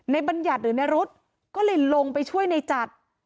ในบรรยัติหรือในรถก็เลยลงไปช่วยในจัด